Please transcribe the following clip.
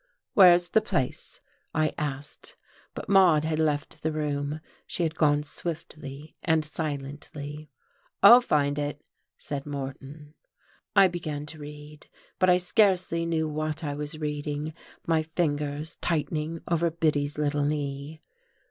"Where is the place?" I asked. But Maude had left the room. She had gone swiftly and silently. "I'll find it," said Moreton. I began to read, but I scarcely knew what I was reading, my fingers tightening over Biddy's little knee....